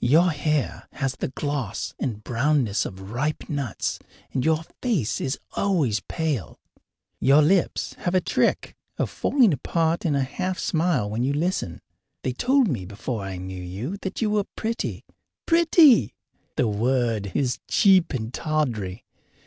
Your hair has the gloss and brownness of ripe nuts, and your face is always pale. Your lips have a trick of falling apart in a half smile when you listen. They told me before I knew you that you were pretty. Pretty! The word is cheap and tawdry.